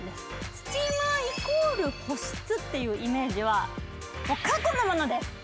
スチーマー＝保湿というイメージは過去のものです。